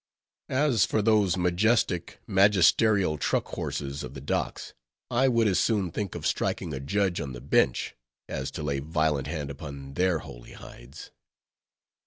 As for those majestic, magisterial truck horses of the docks, I would as soon think of striking a judge on the bench, as to lay violent hand upon their holy hides.